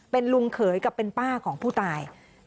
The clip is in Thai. เป็นลุงเขยกับเป็นป้าของผู้ตาย